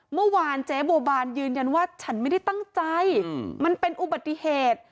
เมื่อวานเจ๊บัวบานยืนยันว่าฉันไม่ได้ตั้งใจมันเป็นอุบัติเหตุ